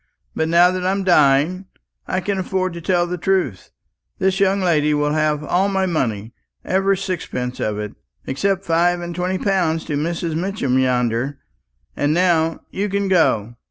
But now that I'm dying, I can afford to tell the truth. This young lady will have all my money, every sixpence of it, except five and twenty pounds to Mrs. Mitchin yonder. And now you can go.